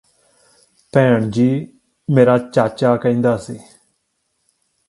ਭੈਣ ਜੀ ਮੇਰਾ ਚਾਚਾ ਕਹਿੰਦਾ ਸੀ